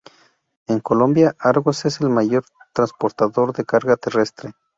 En Colombia, Argos es el mayor transportador de carga terrestre.